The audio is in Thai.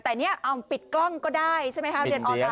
แต่เนี่ยเอาปิดกล้องก็ได้ใช่ไหมคะเรียนออนไล